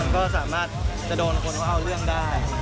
ก็สามารถจะโดนคนเขาเอาเรื่องได้